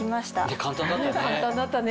簡単だったよね。